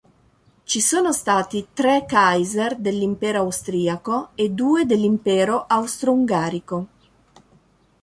Ci sono stati tre "Kaiser" dell'Impero austriaco e due dell'Impero austro-ungarico.